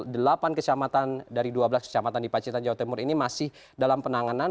delapan kecamatan dari dua belas kecamatan di pacitan jawa timur ini masih dalam penanganan